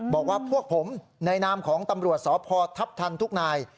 บอกว่าพวกผมในนามของตำรวจสพทัพทันทุกนาย